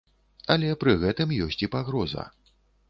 Але пры гэтым ёсць і пагроза.